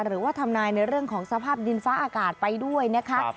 หรือว่าทำนายในเรื่องของสภาพดินฟ้าอากาศไปด้วยนะคะ